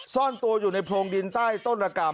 ซ่อนตัวอยู่ในโพรงดินใต้ต้นระกรรม